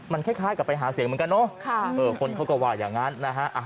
มันคล้ายกับไปหาเสียงเหมือนกันเนอะคนเขาก็ว่าอย่างนั้นนะฮะ